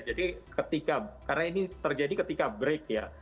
jadi ketika karena ini terjadi ketika break ya